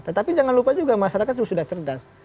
tetapi jangan lupa juga masyarakat sudah cerdas